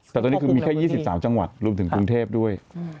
แต่ตอนนี้คือมีแค่๒๓จังหวัดรวมถึงกรุงเทพด้วย